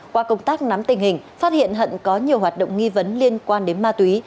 qua công tác nắm tình hình phát hiện hận có nhiều hoạt động nghi vấn liên quan đến ma túy